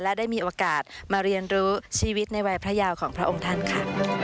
และได้มีโอกาสมาเรียนรู้ชีวิตในวัยพระยาวของพระองค์ท่านค่ะ